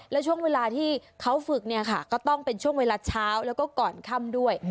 และช่วงเวลาที่เขาฝึกเนี่ยค่ะก็ต้องเป็นช่วงเวลาเช้าแล้วก็ก่อนค่ำด้วย